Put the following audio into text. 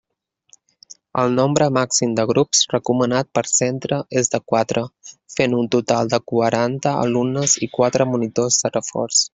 El nombre màxim de grups recomanat per centre és de quatre, fent un total de quaranta alumnes i quatre monitors de reforç.